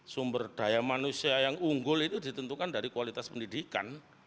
sumber daya manusia yang unggul itu ditentukan dari kualitas pendidikan